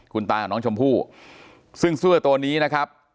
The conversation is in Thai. คุณตาของน้องชมพู่ซึ่งเสื้อตัวนี้นะครับ